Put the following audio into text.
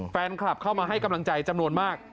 แฟนคลับเข้ามาให้กำลังใจจำนวนมาก